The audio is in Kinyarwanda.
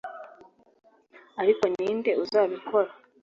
Ariko ni nde uzabikora